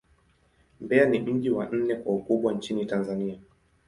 Mbeya ni mji wa nne kwa ukubwa nchini Tanzania.